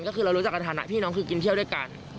ก็คือเรารู้จักกันฐานะพี่น้องคือกินเที่ยวด้วยกัน